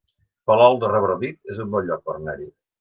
Palol de Revardit es un bon lloc per anar-hi